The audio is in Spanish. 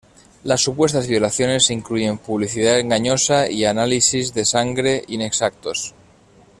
Las supuestas violaciones incluyen publicidad engañosa y análisis de sangre inexactos.